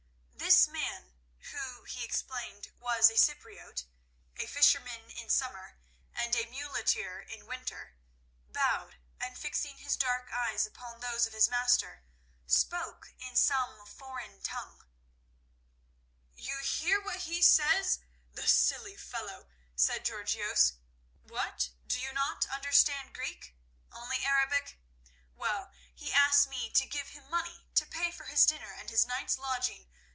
This man, who, he explained, was a Cypriote—a fisherman in summer and a muleteer in winter—bowed, and fixing his dark eyes upon those of his master, spoke in some foreign tongue. "You hear what he says, the silly fellow?" said Georgios. "What? You do not understand Greek—only Arabic? Well, he asks me to give him money to pay for his dinner and his night's lodging.